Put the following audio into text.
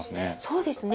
そうですね。